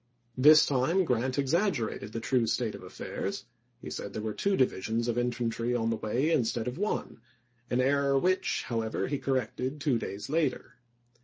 This iwd. time Grant exaggerated the true state of affairs; he said there were two divisions of infantry on the way, instead of one ; an error which, however, he corrected two days later.